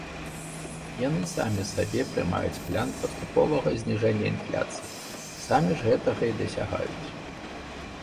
Яны самі сабе прымаюць план паступовага зніжэння інфляцыі, самі ж гэтага і дасягаюць.